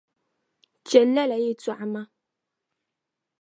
Chɛli lala yɛlitɔɣa maa